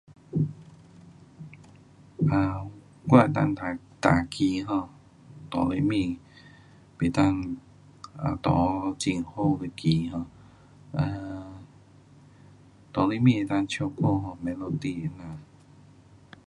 um 我能够弹，弹琴 um doremi 不能弹 um 很好的琴 [um]doremi 可以唱歌 melody 这样。